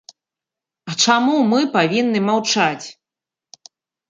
А чаму мы павінны маўчаць?